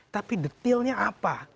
tapi detilnya apa